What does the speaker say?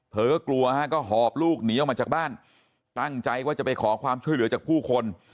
เธอก็กลัวฮะก็หอบลูกหนีออกมาจากบ้านตั้งใจว่าจะไปขอความช่วยเหลือจากผู้คน